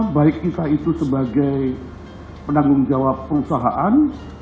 baik kisah itu sebagai penanggung jawab perusahaan